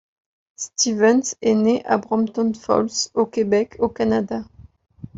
Stevens est né à Brompton Falls, au Québec au Canada.